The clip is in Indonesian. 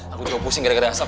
aku juga pusing gara gara asap